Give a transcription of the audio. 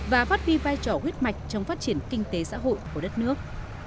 và phát huy vai trò huyết mạch trong phát triển kinh tế xã hội của đất nước